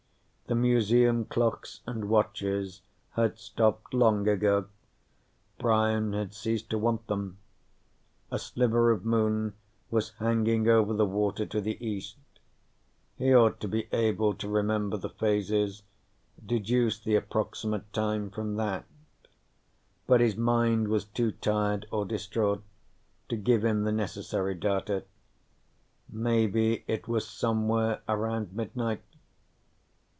The Museum clocks and watches had stopped long ago; Brian had ceased to want them. A sliver of moon was hanging over the water to the east. He ought to be able to remember the phases, deduce the approximate time from that. But his mind was too tired or distraught to give him the necessary data. Maybe it was somewhere around midnight.